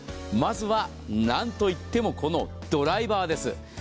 まずはなんといってもこのドライバーです。